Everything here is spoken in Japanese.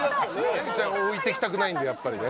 真佑ちゃんを置いていきたくないんでやっぱりね。